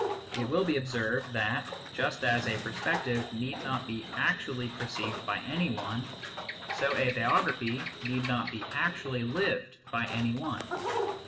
It will be observed that, just as a perspective need not be actually perceived by any one, so a biography need not be actually lived by any one.